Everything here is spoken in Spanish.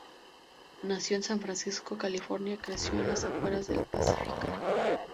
Nació en San Francisco, California y creció en las afueras de Pacífica.